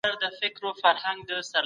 خپل کور او چاپیریال پاک وساتئ.